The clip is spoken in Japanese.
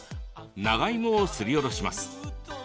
長芋をすりおろします。